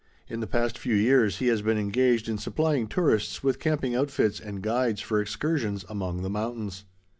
In the past few years, he has been engaged in supplying tourists with camping outfits and guides, for excursions among the mountains.